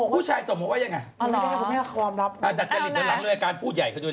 ผู้ชายส่งมาไว้ยังไงดัดจริตเดี๋ยวหลังเลยการพูดใหญ่เขาดูนะ